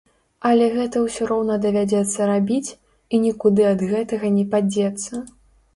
Але гэта ўсё роўна давядзецца рабіць, і нікуды ад гэтага не падзецца.